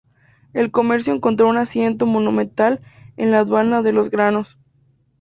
El comercio encontró un asiento monumental en la Aduana de los granos.